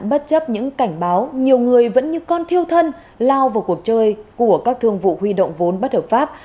bất chấp những cảnh báo nhiều người vẫn như con thiêu thân lao vào cuộc chơi của các thương vụ huy động vốn bất hợp pháp